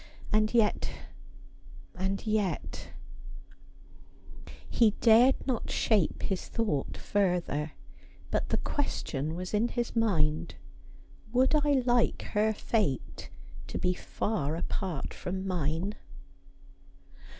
And yet — and yet —' He dared not shape his thought further, but the question was in his mind :' Would I like her fate to be far apart from mine